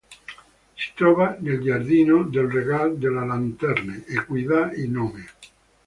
Si trova nel giardino del Regard de la Lanterne, a cui dà il nome.